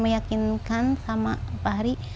meyakinkan sama fahri